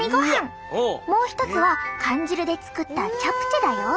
もう一つは缶汁で作ったチャプチェだよ。